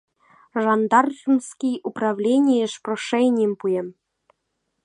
Жандармский управленийыш прошенийым пуэм...